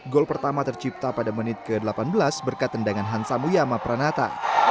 gol pertama tercipta pada menit ke delapan belas berkat tendangan hansa muyama pranata